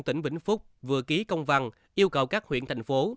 tỉnh vĩnh phúc vừa ký công văn yêu cầu các huyện thành phố